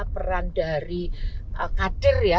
peran dari kadir ya